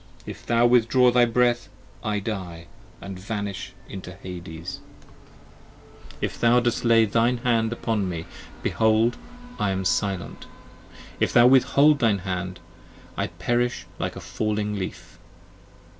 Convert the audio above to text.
If thou withdraw thy breath I die & vanish into Hades, If thou dost lay thine hand upon me, behold I am silent: 50 If thou withhold thine hand, I perish like a fallen leaf.